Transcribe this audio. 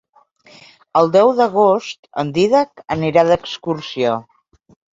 El deu d'agost en Dídac anirà d'excursió.